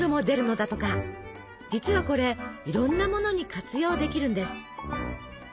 実はこれいろんなものに活用できるんです。